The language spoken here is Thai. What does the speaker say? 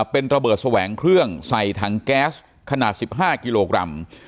เป็นระเบิดแสวงเครื่องใส่ถังแก๊สขนาด๑๕กิโลกรัม